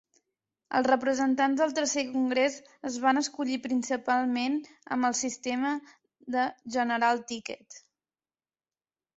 Els representants del tercer congrés es van escollir principalment amb el sistema de "General ticket".